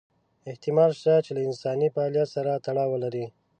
احتمال شته چې له انساني فعالیت سره تړاو ولري.